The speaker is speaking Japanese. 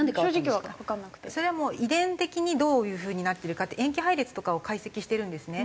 それはもう遺伝的にどういう風になってるかって塩基配列とかを解析してるんですね。